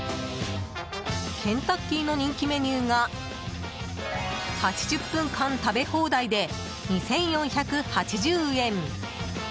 ケンタッキーの人気メニューが８０分間食べ放題で２４８０円。